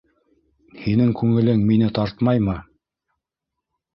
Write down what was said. Һинең күңелең мине тартмаймы!